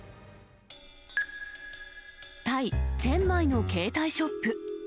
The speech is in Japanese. タイ・チェンマイの携帯ショップ。